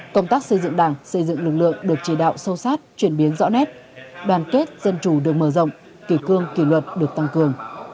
công tác xây dựng đảng xây dựng lực lượng được chỉ đạo sâu sát chuyển biến rõ nét đoàn kết dân chủ được mở rộng kỷ cương kỷ luật được tăng cường